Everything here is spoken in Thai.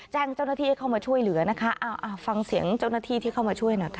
แจ้งเจ้าหน้าที่ให้เข้ามาช่วยเหลือนะคะฟังเสียงเจ้าหน้าที่ที่เข้ามาช่วยหน่อยค่ะ